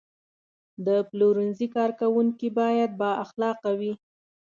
د پلورنځي کارکوونکي باید بااخلاقه وي.